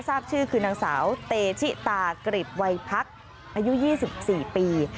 ทราบชื่อคือนางสาวเตชิตากริบวัยพักอายุ๒๔ปี